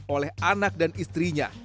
oleh anak dan istrinya